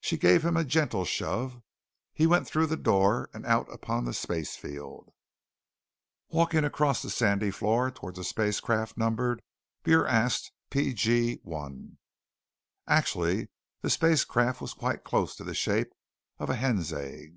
She gave him a gentle shove. He went through the door and out upon the spacefield, walking across the sandy floor towards the spacecraft numbered BurAst P.G.1. Actually, the spacecraft was quite close to the shape of a hen's egg.